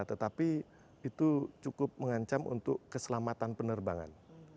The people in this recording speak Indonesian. tetapi itu cukup mengancam untuk keselamatan penerbangan